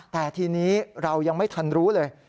แต่ทีนี้เรายังไม่ทันรู้เลย